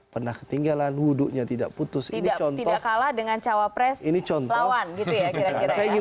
pernah ketinggalan wudhunya tidak putus tidak tidak kalah dengan cawapres ini contoh lawan gitu ya